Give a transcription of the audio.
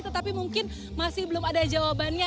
tetapi mungkin masih belum ada jawabannya